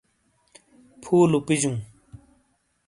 پُھو لُوپِجُوں۔